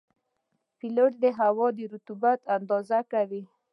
پیلوټ د هوا د رطوبت اندازه کوي.